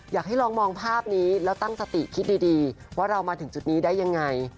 อยากให้ลองมองภาพนี้แล้วตั้งสติคิดดีว่าเรามาถึงจุดนี้ได้ยังไง